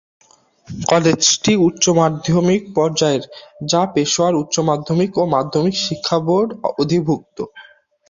কলেজটি উচ্চ মাধ্যমিক পর্যায়ের, যা পেশোয়ার উচ্চ মাধ্যমিক ও মাধ্যমিক শিক্ষা বোর্ড অধিভুুুক্ত।